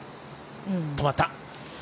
止まった。